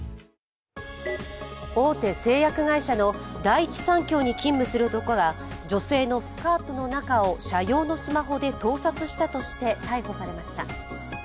大手製薬会社の第一三共に勤務する男が女性のスカートの中を社用のスマホで盗撮したとして逮捕されました。